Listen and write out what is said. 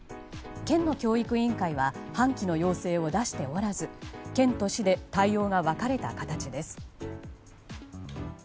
県の教育委員会は半旗の要請を出しておらず県と市で対応が分かれた形です。